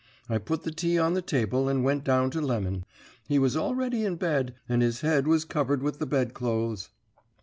I put the tea on the table and went down to Lemon. He was already in bed, and his head was covered with the bedclothes.